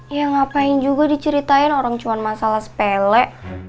ya ngapain juga diceritain orang cuma masalah sepele